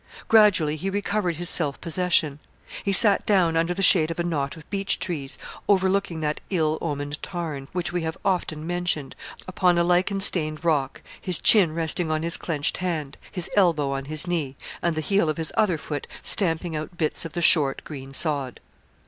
Gradually he recovered his self possession. He sat down under the shade of a knot of beech trees, overlooking that ill omened tarn, which we have often mentioned, upon a lichen stained rock, his chin resting on his clenched hand, his elbow on his knee, and the heel of his other foot stamping out bits of the short, green sod.